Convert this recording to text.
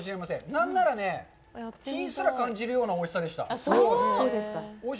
何ならね、品すら感じるおいしさでした。